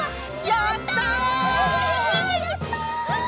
やった！